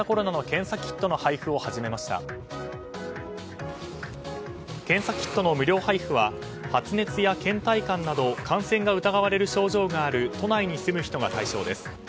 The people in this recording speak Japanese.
検査キットの無料配布は発熱や倦怠感など感染が疑われる症状がある都内に住む人が対象です。